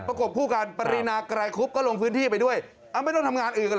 กบคู่กันปรินาไกรคุบก็ลงพื้นที่ไปด้วยอ้าวไม่ต้องทำงานอื่นกันเห